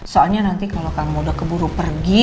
soalnya nanti kalau kamu udah keburu pergi